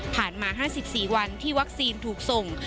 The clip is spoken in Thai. ผ่านมาห้าสิบสี่วันที่วัคซีนถูกส่ง